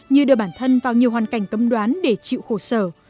như đưa bản thân vào nhiều hoàn cảnh cấm đoán để chịu khổ sở